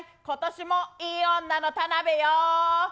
今年もいい女の田辺よ。